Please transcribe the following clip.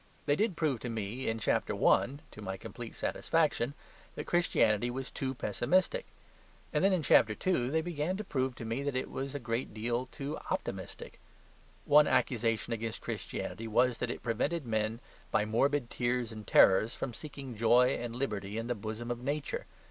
They did prove to me in Chapter I. (to my complete satisfaction) that Christianity was too pessimistic; and then, in Chapter II., they began to prove to me that it was a great deal too optimistic. One accusation against Christianity was that it prevented men, by morbid tears and terrors, from seeking joy and liberty in the bosom of Nature.